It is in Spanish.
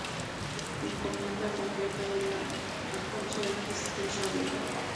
Encomienda con placa de la de Alfonso X el Sabio.